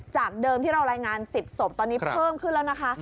จากเดิมที่เรารายงาน๑๐ศพตอนนี้เพิ่มขึ้นแล้วนะคะ